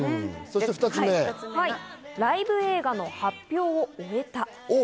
ライブ映画の発表を終えた。